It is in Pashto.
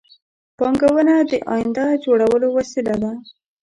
پانګونه د آینده د جوړولو وسیله ده